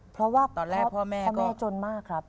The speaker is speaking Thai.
เพราะว่าตอนแรกพ่อแม่จนมากครับ